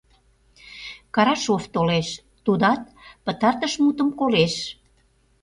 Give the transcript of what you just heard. Карашов толеш, тудат пытартыш мутым колеш.